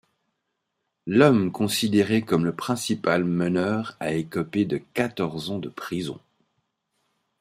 L'homme considéré comme le principal meneur a écopé de quatorze ans de prison.